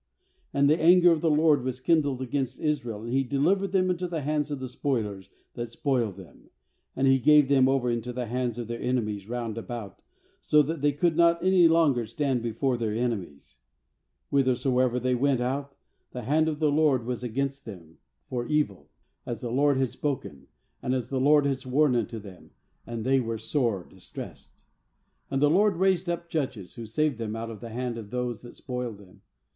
14And the anger of the LORD was kindled against Israel, and He delivered them into the hands of spoilers that spoiled them, and He gave them over into the hands of their enemies round about, so that they could not any longer stand before their enemies. "Whithersoever they went out, the hand of the LORD, was against them for evil, as the LORD had spoken, and as the LORD had sworn unto them; and they were sore distressed. 16And the LORD raised up judges, who saved them out of the hand of those that spoiled them.